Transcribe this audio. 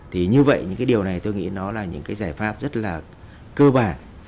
thì như vậy những cái điều này tôi nghĩ nó là những cái giải pháp rất là cơ bản